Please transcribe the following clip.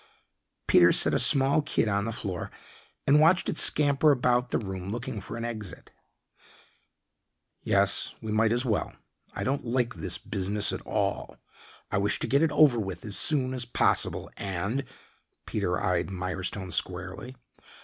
Peter set a small kid on the floor and watched it scamper about the room, looking for an exit. "Yes, we might as well. I don't like this business at all. I wish to get it over with as soon as possible, and " Peter eyed Mirestone squarely.